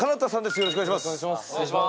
よろしくお願いします。